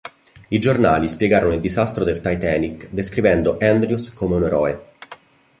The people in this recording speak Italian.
I giornali spiegarono il disastro del "Titanic", descrivendo Andrews come un eroe.